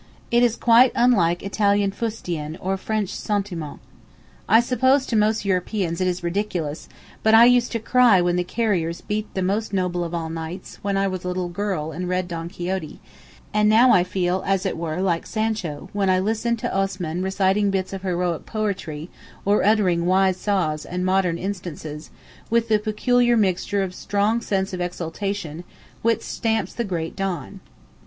It is quite unlike Italian fustian or French sentiment. I suppose to most Europeans it is ridiculous, but I used to cry when the carriers beat the most noble of all knights, when I was a little girl and read Don Quixote; and now I felt as it were like Sancho, when I listened to Osman reciting bits of heroic poetry, or uttering 'wise saws' and 'modern instances,' with the peculiar mixture of strong sense of 'exultation' which stamps the great Don.